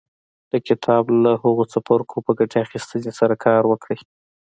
د کتاب له هغو څپرکو په ګټې اخيستنې سره کار وکړئ.